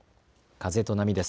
風と波です。